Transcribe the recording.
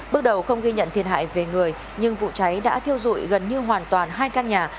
bước đầu không ghi nhận thiệt hại về người nhưng vụ cháy đã thiêu dụi gần như hoàn toàn hai căn nhà